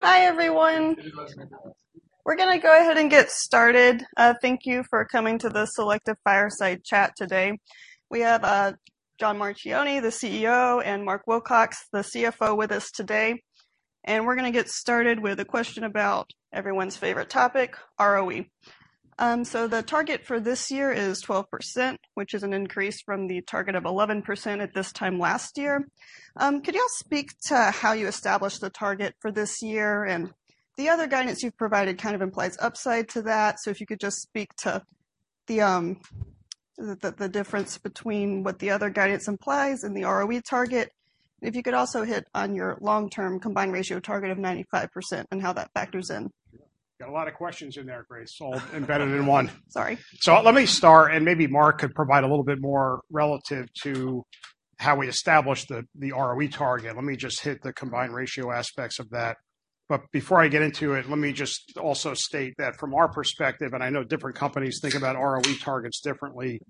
Hi, everyone. We're going to go ahead and get started. Thank you for coming to the Selective Fireside Chat today. We have John Marchioni, the CEO, and Mark Wilcox, the CFO, with us today. We're going to get started with a question about everyone's favorite topic, ROE. The target for this year is 12%, which is an increase from the target of 11% at this time last year. Could you all speak to how you established the target for this year? The other guidance you've provided kind of implies upside to that. If you could just speak to the difference between what the other guidance implies and the ROE target. If you could also hit on your long-term combined ratio target of 95% and how that factors in. Got a lot of questions in there, Grace, all embedded in one. Sorry. Let me start, and maybe Mark could provide a little bit more relative to how we established the ROE target. Let me just hit the combined ratio aspects of that. Before I get into it, let me just also state that from our perspective, and I know different companies think about ROE targets differently.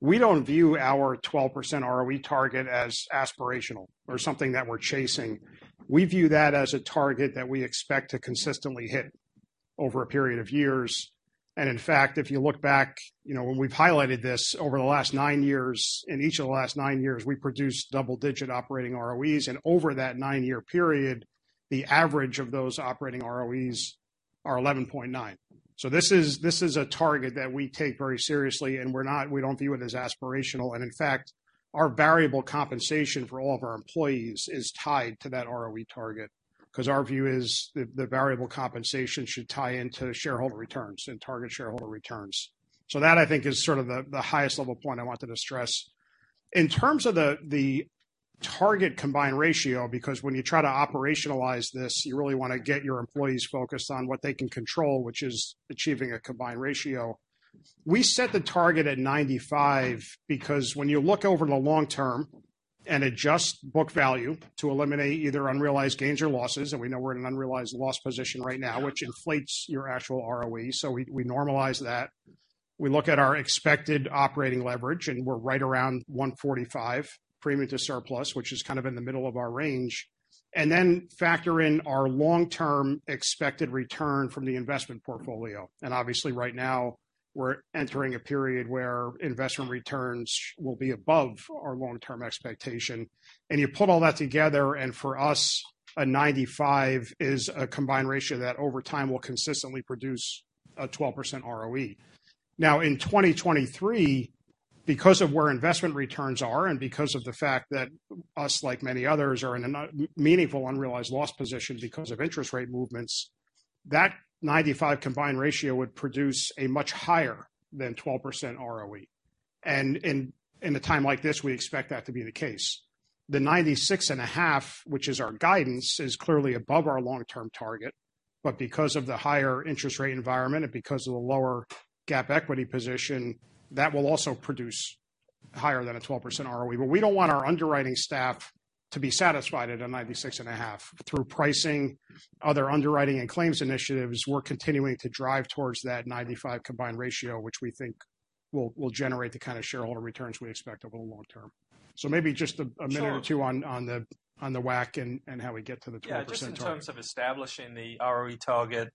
We don't view our 12% ROE target as aspirational or something that we're chasing. We view that as a target that we expect to consistently hit over a period of years. In fact, if you look back, when we've highlighted this over the last nine years, in each of the last nine years, we've produced double-digit operating ROEs. Over that nine-year period, the average of those operating ROEs are 11.9. This is a target that we take very seriously, and we don't view it as aspirational. In fact, our variable compensation for all of our employees is tied to that ROE target because our view is the variable compensation should tie into shareholder returns and target shareholder returns. That I think is sort of the highest level point I wanted to stress. In terms of the target combined ratio, because when you try to operationalize this, you really want to get your employees focused on what they can control, which is achieving a combined ratio. We set the target at 95% because when you look over the long term and adjust book value to eliminate either unrealized gains or losses, and we know we're in an unrealized loss position right now, which inflates your actual ROE, so we normalize that. We look at our expected operating leverage, we're right around 145 premium to surplus, which is kind of in the middle of our range. Then factor in our long-term expected return from the investment portfolio. Obviously right now, we're entering a period where investment returns will be above our long-term expectation. You put all that together, and for us, a 95 is a combined ratio that over time will consistently produce a 12% ROE. Now, in 2023, because of where investment returns are and because of the fact that us, like many others, are in a meaningful unrealized loss position because of interest rate movements, that 95 combined ratio would produce a much higher than 12% ROE. In a time like this, we expect that to be the case. The 96.5, which is our guidance, is clearly above our long-term target. Because of the higher interest rate environment and because of the lower GAAP equity position, that will also produce higher than a 12% ROE. We don't want our underwriting staff to be satisfied at a 96.5. Through pricing, other underwriting, and claims initiatives, we're continuing to drive towards that 95 combined ratio, which we think will generate the kind of shareholder returns we expect over the long term. Maybe just a minute or two on the WACC and how we get to the 12% target. Just in terms of establishing the ROE target.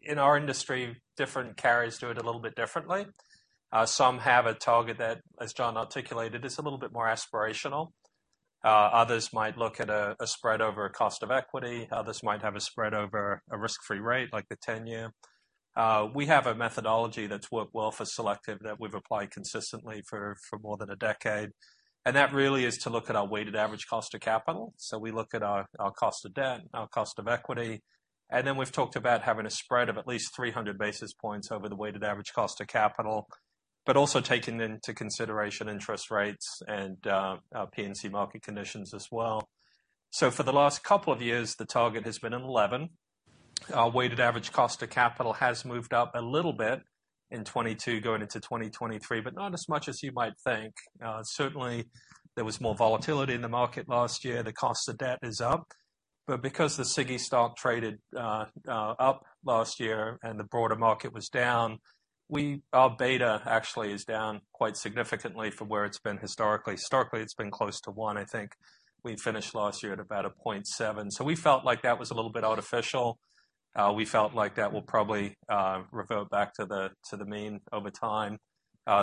In our industry, different carriers do it a little bit differently. Some have a target that, as John articulated, is a little bit more aspirational. Others might look at a spread over a cost of equity. Others might have a spread over a risk-free rate like the 10-year. We have a methodology that's worked well for Selective that we've applied consistently for more than a decade. That really is to look at our weighted average cost of capital. We look at our cost of debt, our cost of equity, and then we've talked about having a spread of at least 300 basis points over the weighted average cost of capital, but also taking into consideration interest rates and our P&C market conditions as well. For the last couple of years, the target has been an 11. Our weighted average cost of capital has moved up a little bit in 2022 going into 2023, but not as much as you might think. Certainly, there was more volatility in the market last year. The cost of debt is up. Because the SIGI stock traded up last year and the broader market was down, our beta actually is down quite significantly from where it's been historically. Historically, it's been close to one. I think we finished last year at about a 0.7. We felt like that was a little bit artificial. We felt like that will probably revert back to the mean over time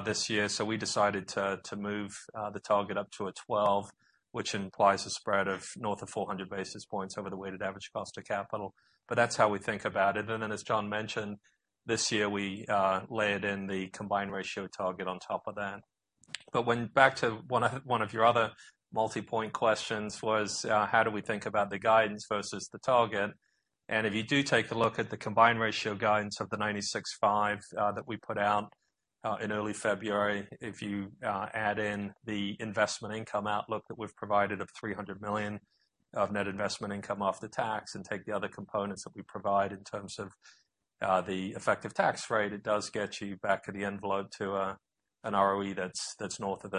this year. We decided to move the target up to a 12, which implies a spread of north of 400 basis points over the weighted average cost of capital. That's how we think about it. As John mentioned, this year we layered in the combined ratio target on top of that. Back to one of your other multipoint questions was how do we think about the guidance versus the target. If you do take a look at the combined ratio guidance of the 96.5 that we put out in early February, if you add in the investment income outlook that we've provided of $300 million of net investment income off the tax and take the other components that we provide in terms of the effective tax rate, it does get you back to the envelope to an ROE that's north of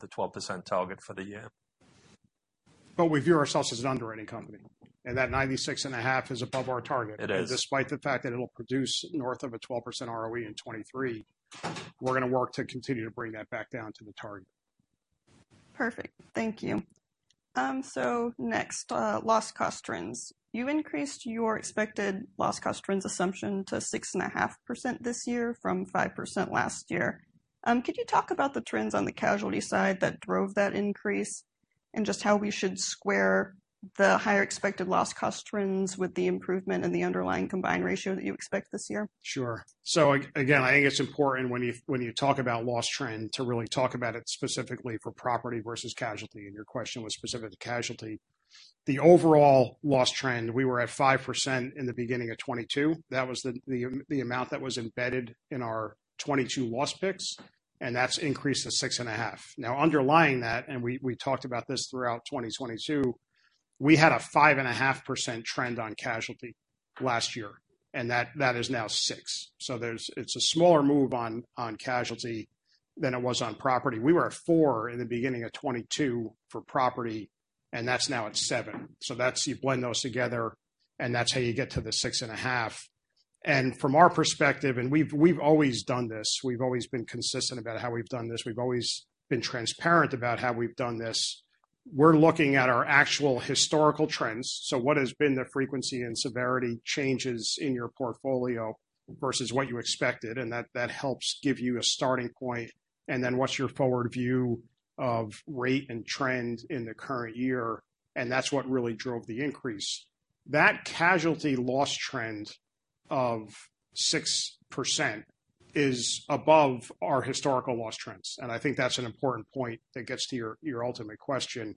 the 12% target for the year. We view ourselves as an underwriting company, and that 96.5 is above our target. It is. Despite the fact that it'll produce north of a 12% ROE in 2023, we're going to work to continue to bring that back down to the target. Perfect. Thank you. Next, loss cost trends. You increased your expected loss cost trends assumption to 6.5% this year from 5% last year. Could you talk about the trends on the casualty side that drove that increase, and just how we should square the higher expected loss cost trends with the improvement in the underlying combined ratio that you expect this year? Sure. Again, I think it's important when you talk about loss trend to really talk about it specifically for property versus casualty, and your question was specific to casualty. The overall loss trend, we were at 5% in the beginning of 2022. That was the amount that was embedded in our 2022 loss picks, and that's increased to 6.5%. Now underlying that, we talked about this throughout 2022, we had a 5.5% trend on casualty last year, and that is now 6%. It's a smaller move on casualty than it was on property. We were at 4% in the beginning of 2022 for property, and that's now at 7%. You blend those together, and that's how you get to the 6.5%. From our perspective, and we've always done this, we've always been consistent about how we've done this, we've always been transparent about how we've done this. We're looking at our actual historical trends, so what has been the frequency and severity changes in your portfolio versus what you expected, and that helps give you a starting point, and then what's your forward view of rate and trend in the current year, and that's what really drove the increase. That casualty loss trend of 6% is above our historical loss trends, and I think that's an important point that gets to your ultimate question.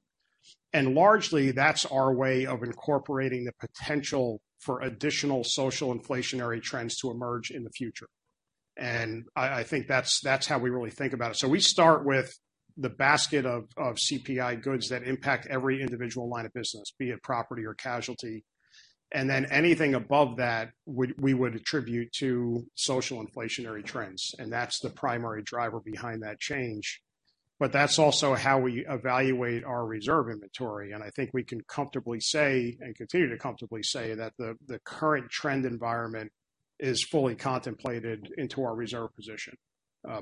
Largely, that's our way of incorporating the potential for additional social inflationary trends to emerge in the future. I think that's how we really think about it. We start with the basket of CPI goods that impact every individual line of business, be it property or casualty, and then anything above that we would attribute to social inflationary trends, and that's the primary driver behind that change. That's also how we evaluate our reserve inventory, and I think we can comfortably say, and continue to comfortably say, that the current trend environment is fully contemplated into our reserve position,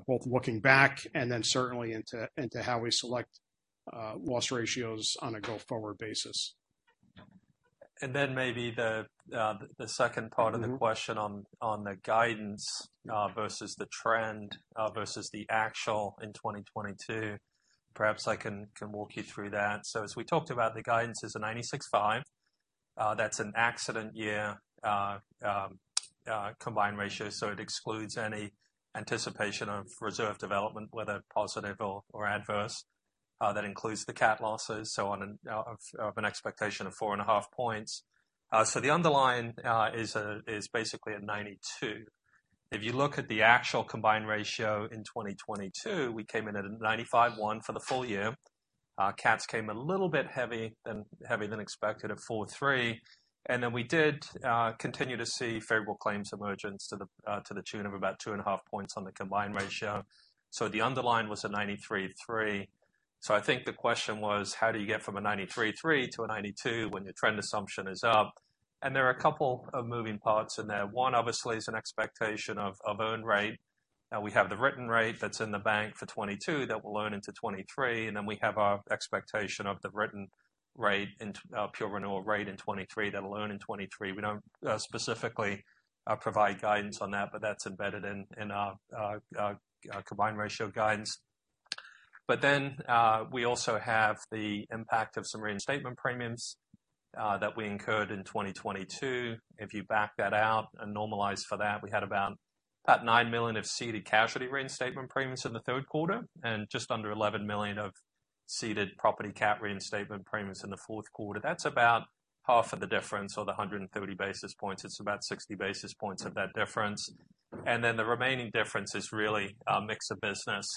both looking back and then certainly into how we select loss ratios on a go-forward basis. Maybe the second part of the question on the guidance versus the trend versus the actual in 2022, perhaps I can walk you through that. As we talked about, the guidance is a 96.5. That's an accident year combined ratio, so it excludes any anticipation of reserve development, whether positive or adverse. That includes the cat losses, so of an expectation of 4.5 points. The underlying is basically a 92. If you look at the actual combined ratio in 2022, we came in at a 95.1 for the full year. Our cats came a little bit heavier than expected at 4.3. We did continue to see favorable claims emergence to the tune of about 2.5 points on the combined ratio. The underlying was a 93.3. I think the question was, how do you get from a 93.3 to a 92 when your trend assumption is up? There are a couple of moving parts in there. One, obviously, is an expectation of earned rate. We have the written rate that's in the bank for 2022 that will earn into 2023, and then we have our expectation of the written rate and pure renewal rate in 2023. That'll earn in 2023. We don't specifically provide guidance on that, but that's embedded in our combined ratio guidance. We also have the impact of some reinstatement premiums that we incurred in 2022. If you back that out and normalize for that, we had about $9 million of ceded casualty reinstatement premiums in the third quarter, and just under $11 million of ceded property cat reinstatement premiums in the fourth quarter. That's about half of the difference or the 130 basis points. It's about 60 basis points of that difference. The remaining difference is really a mix of business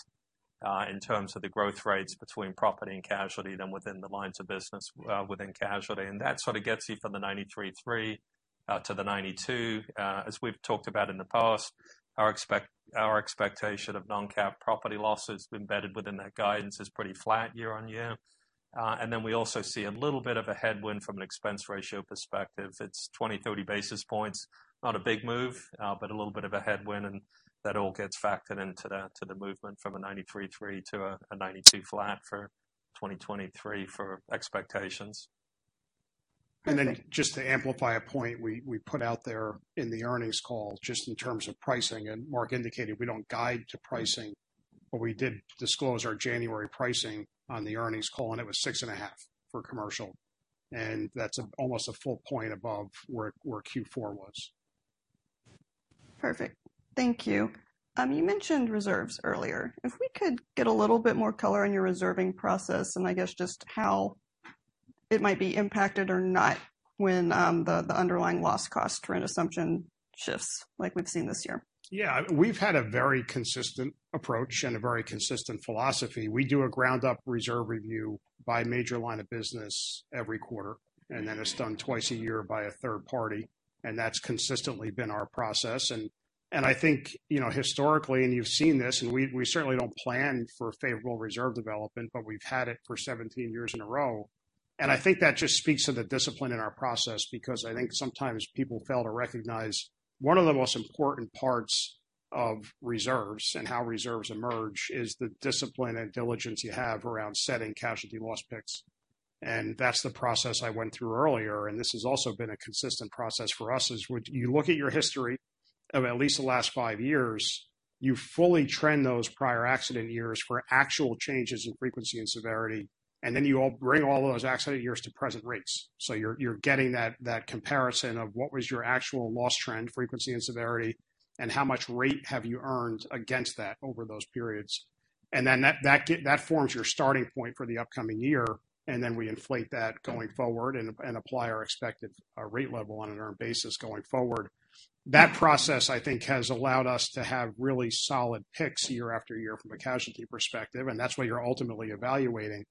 in terms of the growth rates between property and casualty than within the lines of business within casualty. That sort of gets you from the 93.3 to the 92. As we've talked about in the past, our expectation of non-cat property losses embedded within that guidance is pretty flat year-over-year. We also see a little bit of a headwind from an expense ratio perspective. It's 20, 30 basis points. Not a big move, but a little bit of a headwind, and that all gets factored into the movement from a 93.3 to a 92 flat for 2023 for expectations. Just to amplify a point we put out there in the earnings call, just in terms of pricing, and Mark indicated we don't guide to pricing, but we did disclose our January pricing on the earnings call, and it was 6.5 for commercial. That's almost a full point above where Q4 was. Perfect. Thank you. You mentioned reserves earlier. If we could get a little bit more color on your reserving process, and I guess just how it might be impacted or not when the underlying loss cost trend assumption shifts like we've seen this year. Yeah. We've had a very consistent approach and a very consistent philosophy. We do a ground-up reserve review by major line of business every quarter. Then it's done twice a year by a third party, and that's consistently been our process. I think historically, and you've seen this, and we certainly don't plan for favorable reserve development, but we've had it for 17 years in a row. I think that just speaks to the discipline in our process because I think sometimes people fail to recognize one of the most important parts of reserves and how reserves emerge is the discipline and diligence you have around setting casualty loss picks. That's the process I went through earlier, and this has also been a consistent process for us is, you look at your history of at least the last five years, you fully trend those prior accident years for actual changes in frequency and severity, and then you bring all those accident years to present rates. You're getting that comparison of what was your actual loss trend, frequency, and severity, and how much rate have you earned against that over those periods. Then that forms your starting point for the upcoming year, and then we inflate that going forward and apply our expected rate level on an earned basis going forward. That process, I think, has allowed us to have really solid picks year after year from a casualty perspective, and that's what you're ultimately evaluating.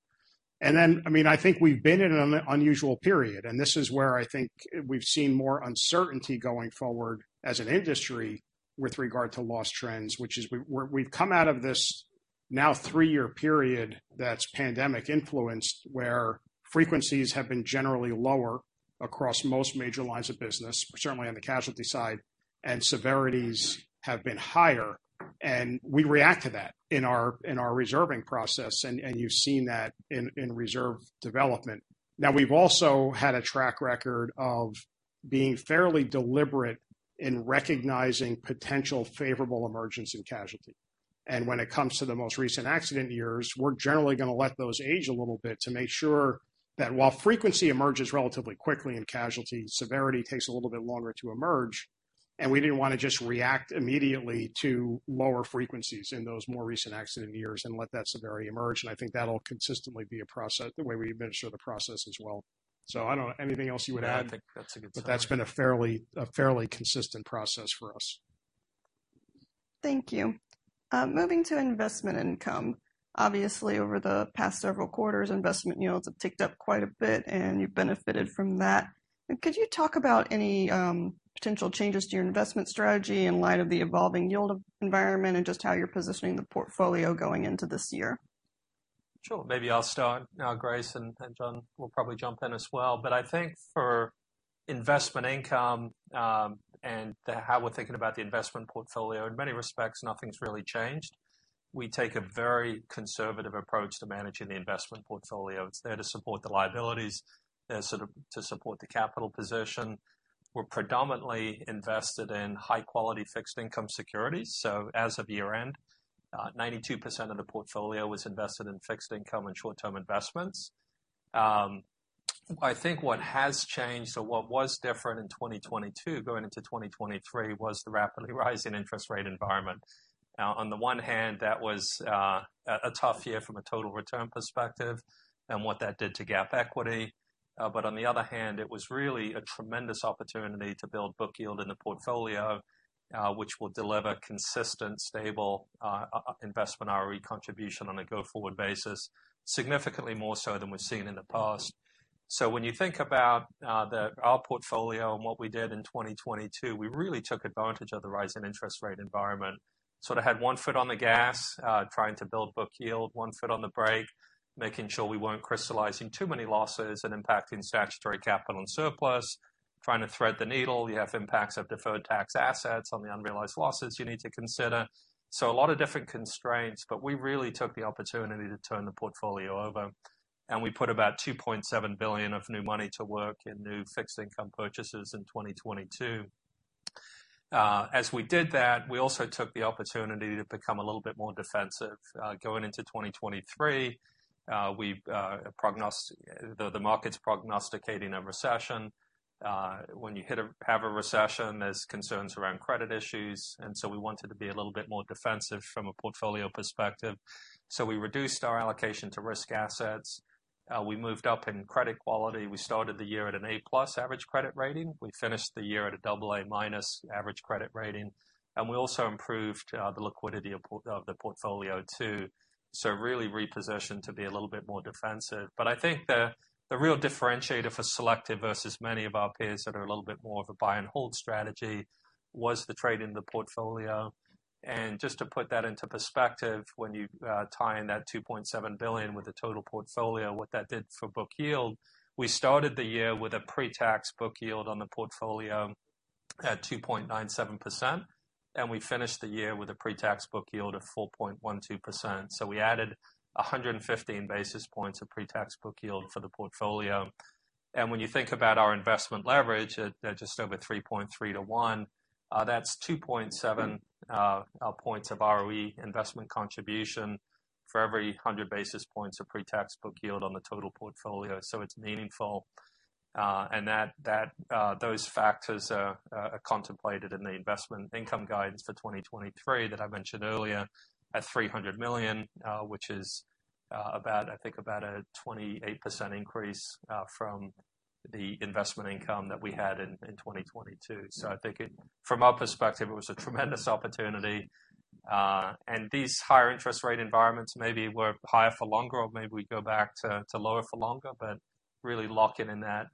Then, I think we've been in an unusual period, and this is where I think we've seen more uncertainty going forward as an industry with regard to loss trends, which is we've come out of this now three-year period that's pandemic-influenced, where frequencies have been generally lower across most major lines of business, certainly on the casualty side, and severities have been higher. We react to that in our reserving process, and you've seen that in reserve development. Now we've also had a track record of being fairly deliberate in recognizing potential favorable emergence in casualty. When it comes to the most recent accident years, we're generally going to let those age a little bit to make sure that while frequency emerges relatively quickly in casualty, severity takes a little bit longer to emerge, and we didn't want to just react immediately to lower frequencies in those more recent accident years and let that severity emerge. I think that'll consistently be the way we administer the process as well. I don't know anything else you would add? No, I think that's a good summary. That's been a fairly consistent process for us. Thank you. Moving to investment income. Obviously, over the past several quarters, investment yields have ticked up quite a bit, and you've benefited from that. Could you talk about any potential changes to your investment strategy in light of the evolving yield environment and just how you're positioning the portfolio going into this year? Sure. Maybe I'll start, Grace, and John will probably jump in as well. I think for investment income, and how we're thinking about the investment portfolio, in many respects, nothing's really changed. We take a very conservative approach to managing the investment portfolio. It's there to support the liabilities, there to support the capital position. We're predominantly invested in high-quality fixed income securities. As of year-end, 92% of the portfolio was invested in fixed income and short-term investments. I think what has changed or what was different in 2022 going into 2023 was the rapidly rising interest rate environment. On the one hand, that was a tough year from a total return perspective and what that did to GAAP equity. On the other hand, it was really a tremendous opportunity to build book yield in the portfolio, which will deliver consistent, stable investment ROE contribution on a go-forward basis, significantly more so than we've seen in the past. When you think about our portfolio and what we did in 2022, we really took advantage of the rise in interest rate environment. Sort of had one foot on the gas, trying to build book yield, one foot on the brake, making sure we weren't crystallizing too many losses and impacting statutory capital and surplus, trying to thread the needle. You have impacts of deferred tax assets on the unrealized losses you need to consider. A lot of different constraints, but we really took the opportunity to turn the portfolio over, and we put about $2.7 billion of new money to work in new fixed income purchases in 2022. As we did that, we also took the opportunity to become a little bit more defensive. Going into 2023, the market's prognosticating a recession. When you have a recession, there's concerns around credit issues, we wanted to be a little bit more defensive from a portfolio perspective. We reduced our allocation to risk assets. We moved up in credit quality. We started the year at an A+ average credit rating. We finished the year at a double A- average credit rating. We also improved the liquidity of the portfolio too. Really repositioned to be a little bit more defensive. I think the real differentiator for Selective versus many of our peers that are a little bit more of a buy and hold strategy was the trade in the portfolio. Just to put that into perspective, when you tie in that $2.7 billion with the total portfolio, what that did for book yield, we started the year with a pre-tax book yield on the portfolio at 2.97%, and we finished the year with a pre-tax book yield of 4.12%. We added 115 basis points of pre-tax book yield for the portfolio. When you think about our investment leverage at just over 3.3 to one, that's 2.7 points of ROE investment contribution for every 100 basis points of pre-tax book yield on the total portfolio, so it's meaningful. Those factors are contemplated in the investment income guidance for 2023 that I mentioned earlier at $300 million, which is I think about a 28% increase from the investment income that we had in 2022. I think from our perspective, it was a tremendous opportunity. These higher interest rate environments maybe were higher for longer or maybe we go back to lower for longer, but really locking in that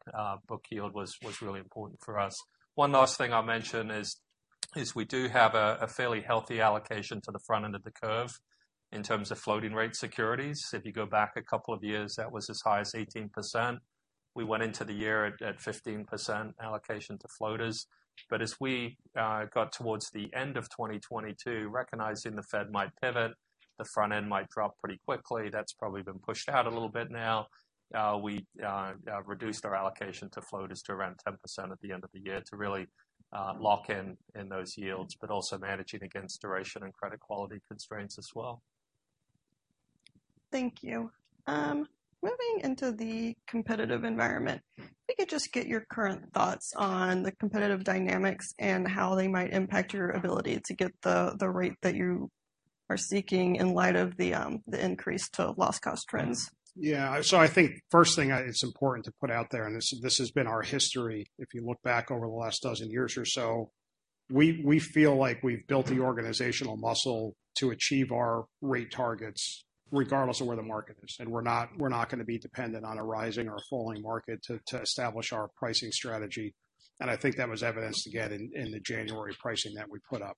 book yield was really important for us. One last thing I'll mention is we do have a fairly healthy allocation to the front end of the curve in terms of floating rate securities. If you go back a couple of years, that was as high as 18%. We went into the year at 15% allocation to floaters. As we got towards the end of 2022, recognizing the Fed might pivot, the front end might drop pretty quickly. That's probably been pushed out a little bit now. We reduced our allocation to floaters to around 10% at the end of the year to really lock in those yields, but also managing against duration and credit quality constraints as well. Thank you. Moving into the competitive environment, if we could just get your current thoughts on the competitive dynamics and how they might impact your ability to get the rate that you are seeking in light of the increase to loss cost trends. Yeah. I think first thing, it's important to put out there, this has been our history, if you look back over the last dozen years or so, we feel like we've built the organizational muscle to achieve our rate targets regardless of where the market is. We're not going to be dependent on a rising or falling market to establish our pricing strategy. I think that was evidenced again in the January pricing that we put up.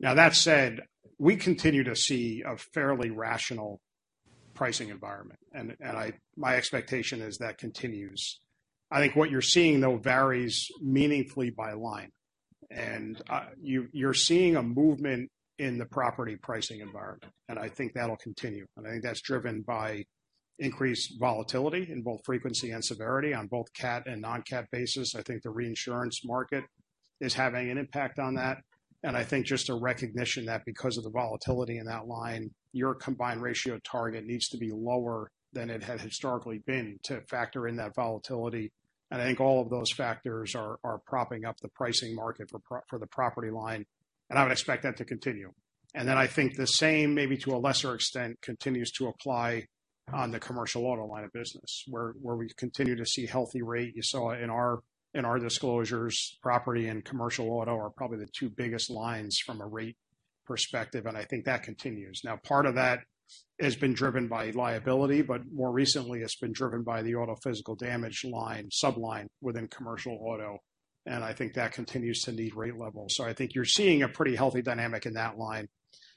Now, that said, we continue to see a fairly rational pricing environment, and my expectation is that continues. I think what you're seeing, though, varies meaningfully by line. You're seeing a movement in the property pricing environment, and I think that'll continue. I think that's driven by increased volatility in both frequency and severity on both cat and non-cat basis. I think the reinsurance market is having an impact on that. I think just a recognition that because of the volatility in that line, your combined ratio target needs to be lower than it has historically been to factor in that volatility. I think all of those factors are propping up the pricing market for the property line, and I would expect that to continue. I think the same, maybe to a lesser extent, continues to apply on the Commercial Auto line of business, where we continue to see healthy rate. You saw in our disclosures, property and Commercial Auto are probably the two biggest lines from a rate perspective, and I think that continues. Part of that has been driven by liability, more recently, it's been driven by the Auto Physical Damage line, sub-line within Commercial Auto, I think that continues to need rate level. I think you're seeing a pretty healthy dynamic in that line.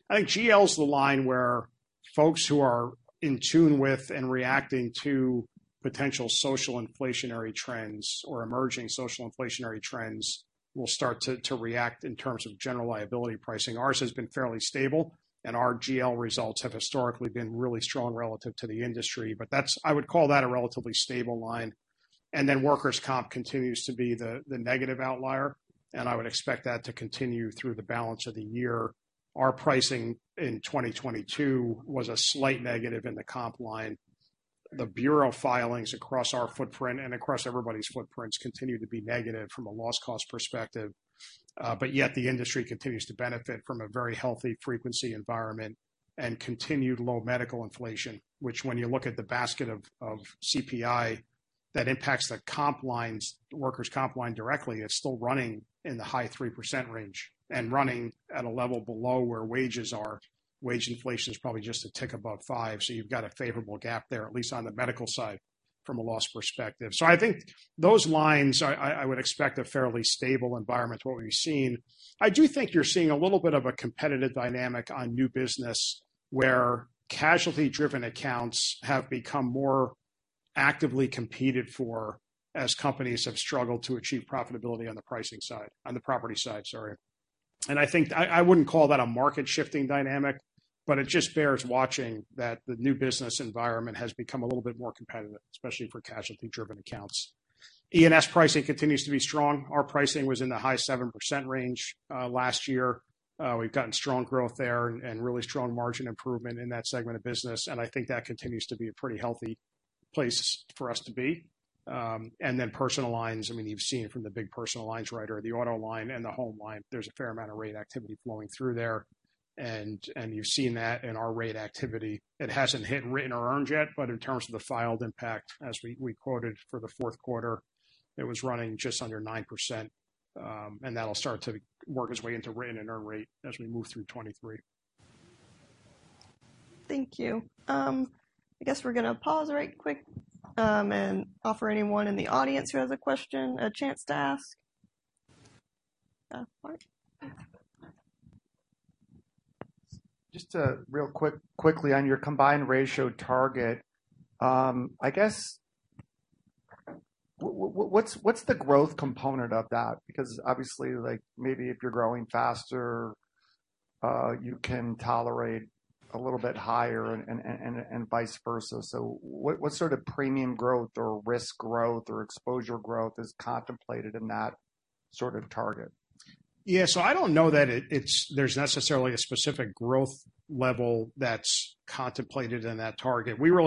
I think GL's the line where folks who are in tune with and reacting to potential social inflationary trends or emerging social inflationary trends will start to react in terms of General Liability pricing. Ours has been fairly stable, our GL results have historically been really strong relative to the industry. I would call that a relatively stable line. Workers' Comp continues to be the negative outlier, I would expect that to continue through the balance of the year. Our pricing in 2022 was a slight negative in the Comp line. The Bureau filings across our footprint and across everybody's footprints continue to be negative from a loss cost perspective. Yet the industry continues to benefit from a very healthy frequency environment and continued low medical inflation, which when you look at the basket of CPI that impacts the Workers' Comp line directly, it's still running in the high 3% range and running at a level below where wages are. Wage inflation is probably just a tick above five, you've got a favorable gap there, at least on the medical side from a loss perspective. I think those lines, I would expect a fairly stable environment to what we've seen. I do think you're seeing a little bit of a competitive dynamic on new business, where casualty-driven accounts have become more actively competed for as companies have struggled to achieve profitability on the pricing side, on the property side, sorry. I think I wouldn't call that a market-shifting dynamic, it just bears watching that the new business environment has become a little bit more competitive, especially for casualty-driven accounts. E&S pricing continues to be strong. Our pricing was in the high 7% range last year. We've gotten strong growth there, really strong margin improvement in that segment of business, I think that continues to be a pretty healthy place for us to be. Personal Lines, you've seen from the big Personal Lines writer, the auto line and the home line, there's a fair amount of rate activity flowing through there. You've seen that in our rate activity. It hasn't hit written or earned yet, in terms of the filed impact, as we quoted for the fourth quarter, it was running just under 9%, that'll start to work its way into written and earned rate as we move through 2023. Thank you. I guess we're going to pause right quick, and offer anyone in the audience who has a question a chance to ask. Mark. Just real quickly on your combined ratio target. I guess, what's the growth component of that? Obviously, maybe if you're growing faster, you can tolerate a little bit higher and vice versa. What sort of premium growth or risk growth or exposure growth is contemplated in that sort of target? Yeah. I don't know that there's necessarily a specific growth level that's contemplated in that target. We're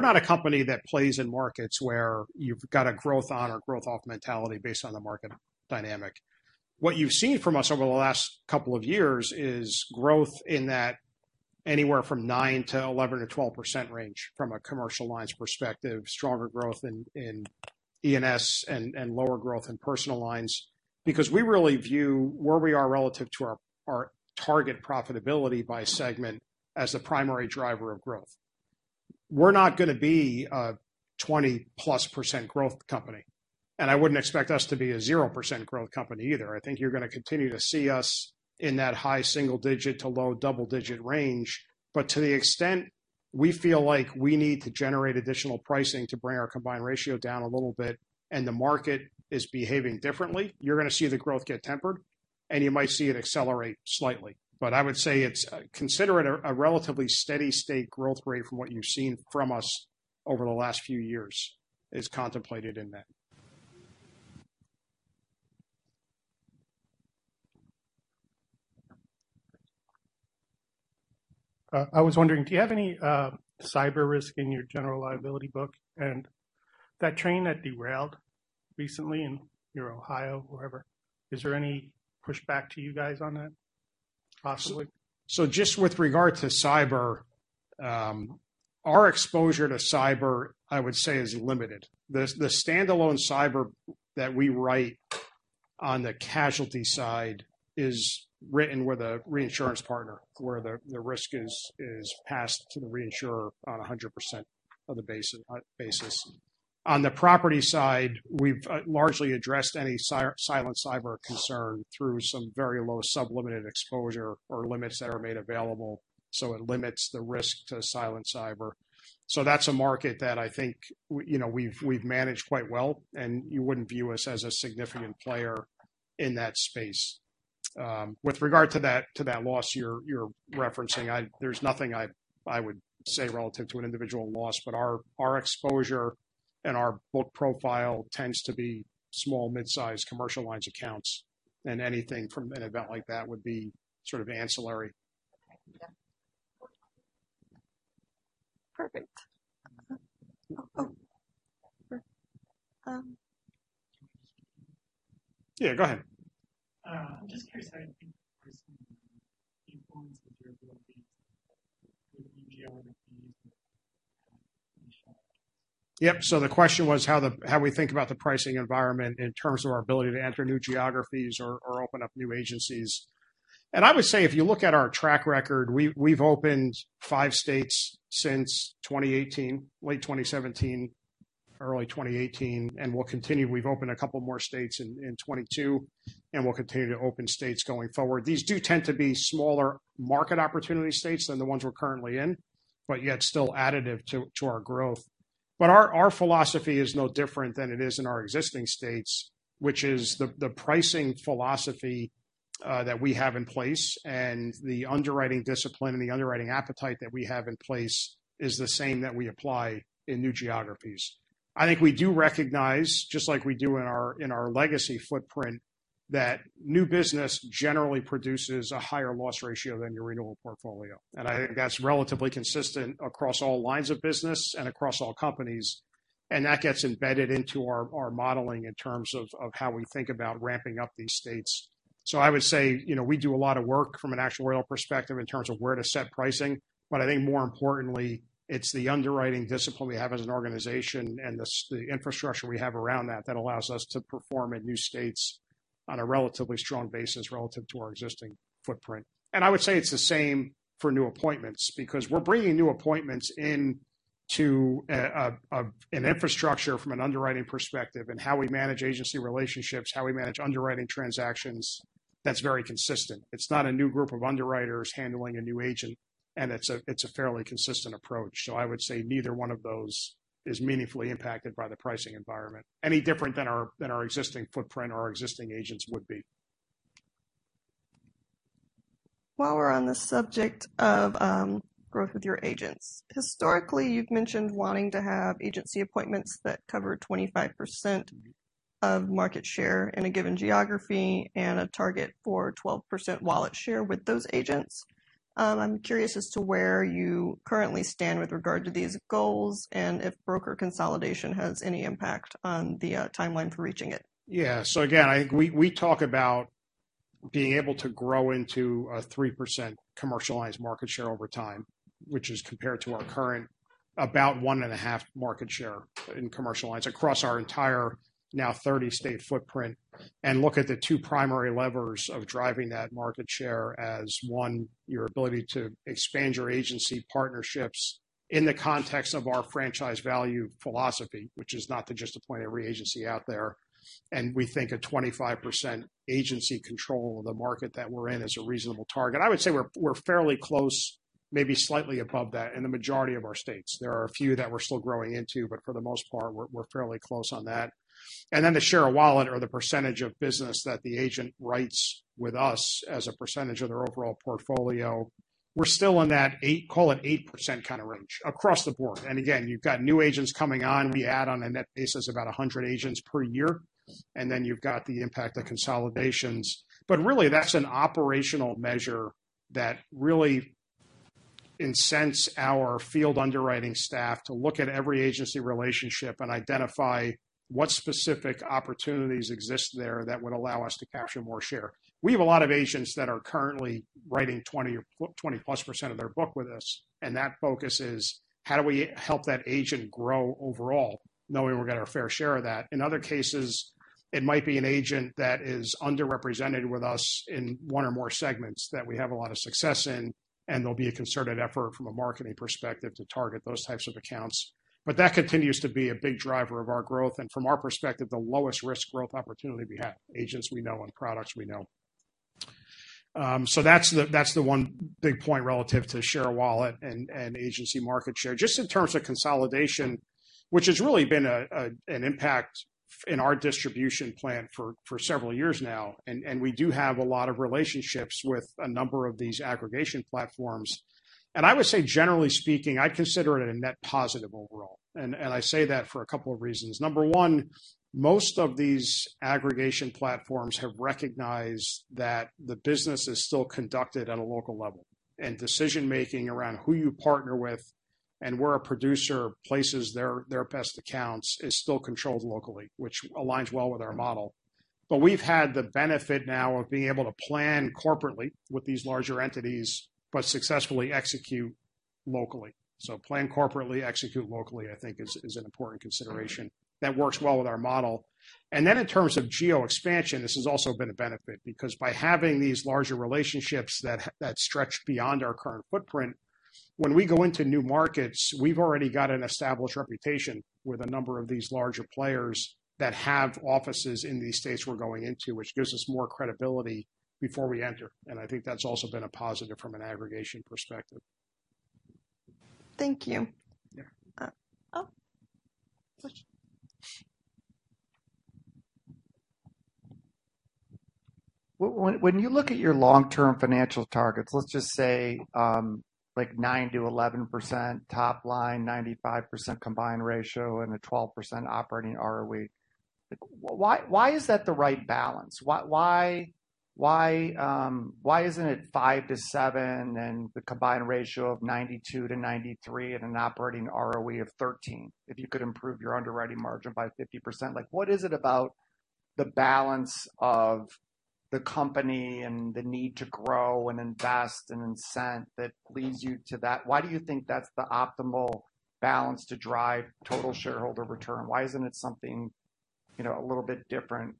not a company that plays in markets where you've got a growth on or growth off mentality based on the market dynamic. What you've seen from us over the last couple of years is growth in that anywhere from 9% to 11% or 12% range from a commercial lines perspective, stronger growth in E&S and lower growth in Personal Lines. We really view where we are relative to our target profitability by segment as the primary driver of growth. We're not going to be a 20-plus % growth company. I wouldn't expect us to be a 0% growth company either. I think you're going to continue to see us in that high single digit to low double digit range. To the extent we feel like we need to generate additional pricing to bring our combined ratio down a little bit and the market is behaving differently, you're going to see the growth get tempered, and you might see it accelerate slightly. I would say, consider it a relatively steady state growth rate from what you've seen from us over the last few years is contemplated in that. I was wondering, do you have any cyber risk in your General Liability book? That train that derailed recently in Ohio, wherever, is there any pushback to you guys on that possibly? Just with regard to cyber, our exposure to cyber, I would say, is limited. The standalone cyber that we write on the casualty side is written with a reinsurance partner, where the risk is passed to the reinsurer on 100% of the basis. On the property side, we've largely addressed any silent cyber concern through some very low sub-limited exposure or limits that are made available, so it limits the risk to silent cyber. That's a market that I think we've managed quite well, and you wouldn't view us as a significant player in that space. With regard to that loss you're referencing, there's nothing I would say relative to an individual loss, but our exposure and our book profile tends to be small, mid-size Commercial Lines accounts, and anything from an event like that would be sort of ancillary. Okay. Yeah. Perfect. Yeah, go ahead. I'm just curious how you think pricing influence with your ability with new geographies? Yep. The question was how we think about the pricing environment in terms of our ability to enter new geographies or open up new agencies. I would say, if you look at our track record, we've opened five states since 2018, late 2017, early 2018, and we'll continue. We've opened a couple more states in 2022, and we'll continue to open states going forward. These do tend to be smaller market opportunity states than the ones we're currently in, yet still additive to our growth. Our philosophy is no different than it is in our existing states, which is the pricing philosophy that we have in place and the underwriting discipline and the underwriting appetite that we have in place is the same that we apply in new geographies. I think we do recognize, just like we do in our legacy footprint, that new business generally produces a higher loss ratio than your renewal portfolio. I think that's relatively consistent across all lines of business and across all companies, and that gets embedded into our modeling in terms of how we think about ramping up these states. I would say, we do a lot of work from an actuarial perspective in terms of where to set pricing. I think more importantly, it's the underwriting discipline we have as an organization and the infrastructure we have around that allows us to perform in new states on a relatively strong basis relative to our existing footprint. I would say it's the same for new appointments, because we're bringing new appointments into an infrastructure from an underwriting perspective and how we manage agency relationships, how we manage underwriting transactions. That's very consistent. It's not a new group of underwriters handling a new agent, it's a fairly consistent approach. I would say neither one of those is meaningfully impacted by the pricing environment any different than our existing footprint or our existing agents would be. While we're on the subject of growth with your agents, historically, you've mentioned wanting to have agency appointments that cover 25% of market share in a given geography and a target for 12% wallet share with those agents. I'm curious as to where you currently stand with regard to these goals and if broker consolidation has any impact on the timeline for reaching it. Yeah. Again, we talk about being able to grow into a 3% Commercial Lines market share over time, which is compared to our current about 1.5% market share in Commercial Lines across our entire now 30-state footprint, and look at the two primary levers of driving that market share as, one, your ability to expand your agency partnerships in the context of our franchise value philosophy, which is not to just appoint every agency out there. We think a 25% agency control of the market that we're in is a reasonable target. I would say we're fairly close, maybe slightly above that in the majority of our states. There are a few that we're still growing into, for the most part, we're fairly close on that. Then the share of wallet or the percentage of business that the agent writes with us as a percentage of their overall portfolio, we're still in that, call it 8% kind of range across the board. Again, you've got new agents coming on. We add on a net basis about 100 agents per year, then you've got the impact of consolidations. Really, that's an operational measure that really incents our field underwriting staff to look at every agency relationship and identify what specific opportunities exist there that would allow us to capture more share. We have a lot of agents that are currently writing 20% or 20-plus percent of their book with us, and that focus is how do we help that agent grow overall, knowing we're getting our fair share of that? In other cases, it might be an agent that is underrepresented with us in one or more segments that we have a lot of success in, there'll be a concerted effort from a marketing perspective to target those types of accounts. That continues to be a big driver of our growth, from our perspective, the lowest risk growth opportunity we have, agents we know and products we know. That's the one big point relative to share of wallet and agency market share. Just in terms of consolidation, which has really been an impact in our distribution plan for several years now, we do have a lot of relationships with a number of these aggregation platforms. I would say, generally speaking, I consider it a net positive overall. I say that for a couple of reasons. Number one, most of these aggregation platforms have recognized that the business is still conducted at a local level, and decision-making around who you partner with and where a producer places their best accounts is still controlled locally, which aligns well with our model. We've had the benefit now of being able to plan corporately with these larger entities, but successfully execute locally. Plan corporately, execute locally, I think is an important consideration that works well with our model. In terms of geo expansion, this has also been a benefit because by having these larger relationships that stretch beyond our current footprint, when we go into new markets, we've already got an established reputation with a number of these larger players that have offices in these states we're going into, which gives us more credibility before we enter. I think that's also been a positive from an aggregation perspective. Thank you. Yeah. Oh. When you look at your long-term financial targets, let's just say, like 9%-11% top line, 95% combined ratio, and a 12% operating ROE, why is that the right balance? Why isn't it 5%-7% and the combined ratio of 92%-93% and an operating ROE of 13% if you could improve your underwriting margin by 50%? What is it about the balance of the company and the need to grow and invest and incent that leads you to that? Why do you think that's the optimal balance to drive total shareholder return? Why isn't it something a little bit different,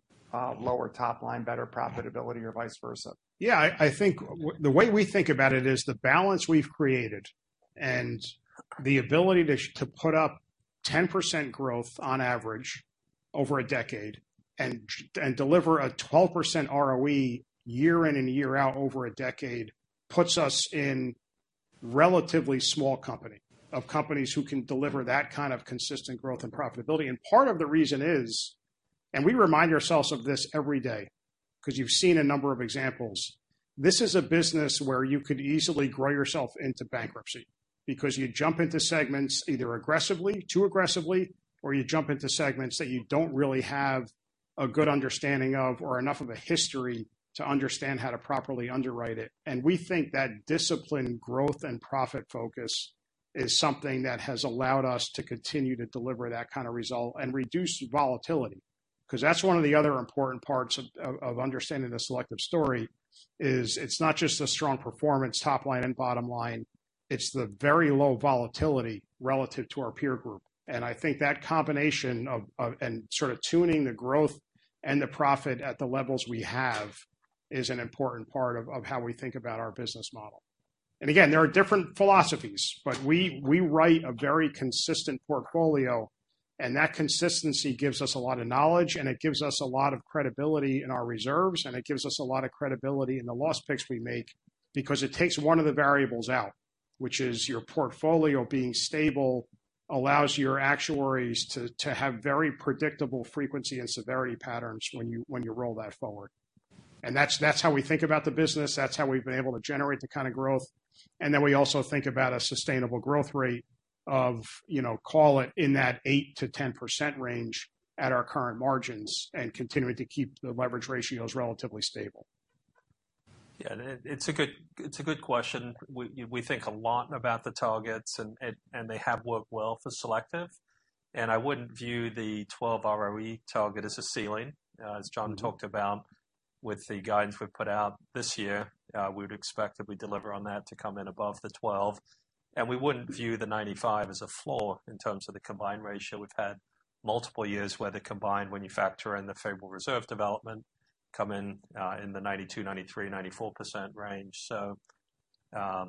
lower top line, better profitability or vice versa? The way we think about it is the balance we've created and the ability to put up 10% growth on average over a decade and deliver a 12% ROE year in and year out over a decade puts us in relatively small company of companies who can deliver that kind of consistent growth and profitability. Part of the reason is, we remind ourselves of this every day because you've seen a number of examples, this is a business where you could easily grow yourself into bankruptcy because you jump into segments either aggressively, too aggressively, or you jump into segments that you don't really have a good understanding of or enough of a history to understand how to properly underwrite it. We think that discipline, growth, and profit focus is something that has allowed us to continue to deliver that kind of result and reduce volatility. That's one of the other important parts of understanding the Selective story is it's not just a strong performance top line and bottom line, it's the very low volatility relative to our peer group. I think that combination and sort of tuning the growth and the profit at the levels we have is an important part of how we think about our business model. Again, there are different philosophies, we write a very consistent portfolio, that consistency gives us a lot of knowledge, it gives us a lot of credibility in our reserves, it gives us a lot of credibility in the loss picks we make because it takes one of the variables out, which is your portfolio being stable allows your actuaries to have very predictable frequency and severity patterns when you roll that forward. That's how we think about the business. That's how we've been able to generate the kind of growth. We also think about a sustainable growth rate of call it in that 8%-10% range at our current margins and continuing to keep the leverage ratios relatively stable. It's a good question. We think a lot about the targets, they have worked well for Selective. I wouldn't view the 12 ROE target as a ceiling. As John talked about with the guidance we've put out this year, we would expect if we deliver on that to come in above the 12%. We wouldn't view the 95% as a floor in terms of the combined ratio. We've had multiple years where the combined, when you factor in the favorable reserve development, come in the 92, 93, 94% range. I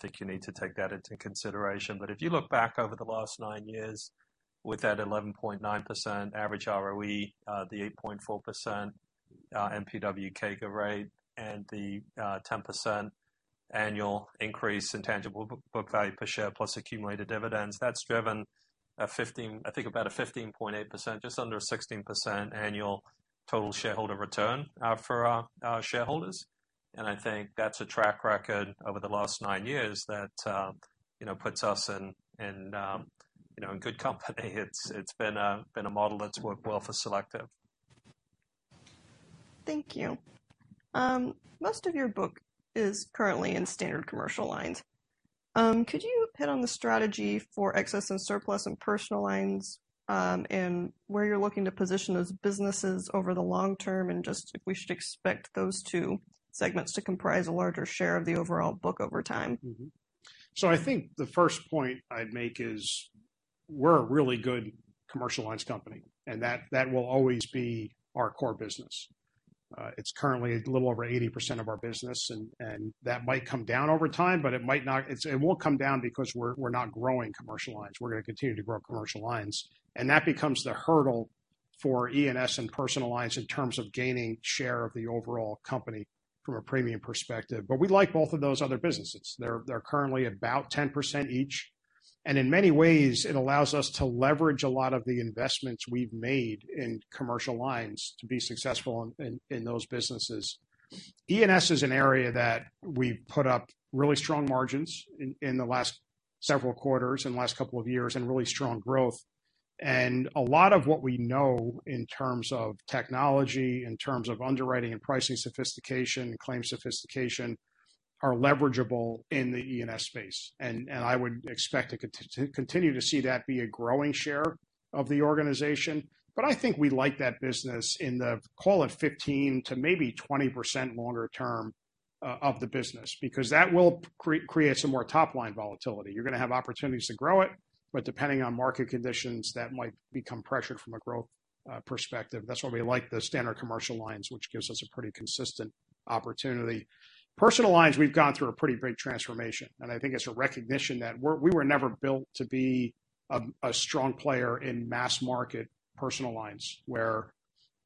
think you need to take that into consideration. If you look back over the last nine years with that 11.9% average ROE, the 8.4% NPW CAGR rate, and the 10% annual increase in tangible book value per share plus accumulated dividends, that's driven, I think about a 15.8%, just under a 16% annual total shareholder return for our shareholders. I think that's a track record over the last nine years that puts us in good company. It's been a model that's worked well for Selective. Thank you. Most of your book is currently in Standard Commercial Lines. Could you hit on the strategy for Excess and Surplus and Personal Lines, and where you're looking to position those businesses over the long term, and just if we should expect those two segments to comprise a larger share of the overall book over time? I think the first point I'd make is We're a really good Commercial Lines company, and that will always be our core business. It's currently a little over 80% of our business, and that might come down over time, but it might not. It won't come down because we're not growing Commercial Lines. We're going to continue to grow Commercial Lines. That becomes the hurdle for E&S and Personal Lines in terms of gaining share of the overall company from a premium perspective. We like both of those other businesses. They're currently about 10% each, and in many ways, it allows us to leverage a lot of the investments we've made in Commercial Lines to be successful in those businesses. E&S is an area that we've put up really strong margins in the last several quarters, in the last couple of years, and really strong growth. A lot of what we know in terms of technology, in terms of underwriting and pricing sophistication and claims sophistication, are leverageable in the E&S space. I would expect to continue to see that be a growing share of the organization. I think we like that business in the call it 15%-20% longer term of the business, because that will create some more top-line volatility. You're going to have opportunities to grow it, but depending on market conditions, that might become pressured from a growth perspective. That's why we like the Standard Commercial Lines, which gives us a pretty consistent opportunity. Personal Lines, we've gone through a pretty big transformation, and I think it's a recognition that we were never built to be a strong player in mass market Personal Lines, where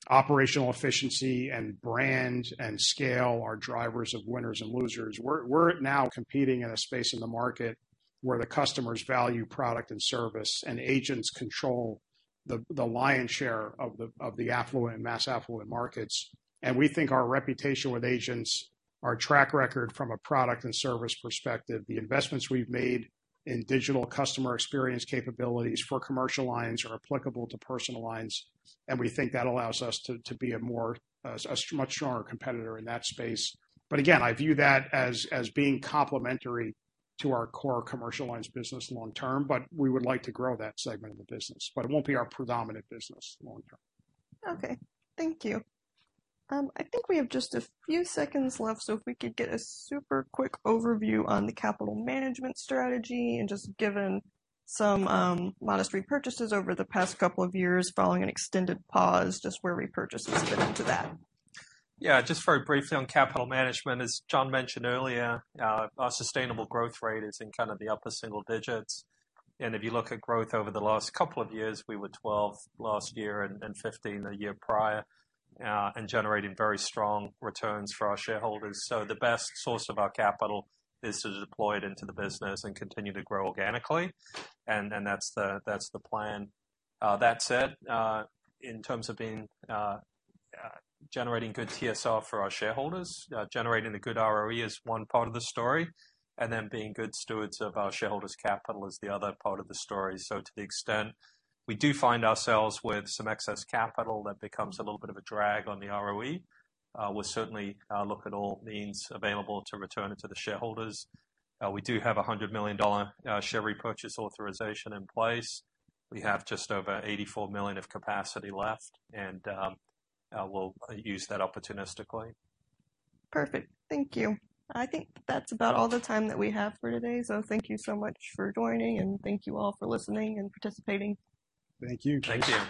operational efficiency and brand and scale are drivers of winners and losers. We're now competing in a space in the market where the customers value product and service, and agents control the lion's share of the affluent and mass affluent markets. We think our reputation with agents, our track record from a product and service perspective, the investments we've made in digital customer experience capabilities for Commercial Lines are applicable to Personal Lines, and we think that allows us to be a much stronger competitor in that space. Again, I view that as being complementary to our core Commercial Lines business long term, but we would like to grow that segment of the business. It won't be our predominant business long term. Okay. Thank you. I think we have just a few seconds left, so if we could get a super quick overview on the capital management strategy and just given some modest repurchases over the past couple of years following an extended pause, just where repurchases fit into that. Just very briefly on capital management, as John mentioned earlier, our sustainable growth rate is in kind of the upper single digits. If you look at growth over the last couple of years, we were 12 last year and 15 the year prior, and generating very strong returns for our shareholders. The best source of our capital is deployed into the business and continue to grow organically. That's the plan. That said, in terms of generating good TSR for our shareholders, generating a good ROE is one part of the story, and then being good stewards of our shareholders' capital is the other part of the story. To the extent we do find ourselves with some excess capital, that becomes a little bit of a drag on the ROE. We'll certainly look at all means available to return it to the shareholders. We do have $100 million share repurchase authorization in place. We have just over $84 million of capacity left, and we'll use that opportunistically. Perfect. Thank you. I think that's about all the time that we have for today. Thank you so much for joining, and thank you all for listening and participating. Thank you. Thank you.